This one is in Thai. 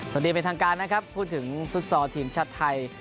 สวัสดีเป็นทางการนะครับพูดถึงฟุตซอลทีมชาติไทย